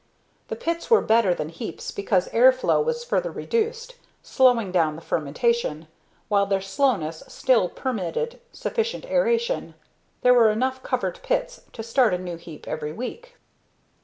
The pits were better than heaps because air flow was further reduced, slowing down the fermentation, while their shallowness still permitted sufficient aeration. There were enough covered pits to start a new heap every week.